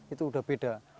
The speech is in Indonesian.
itu sudah beda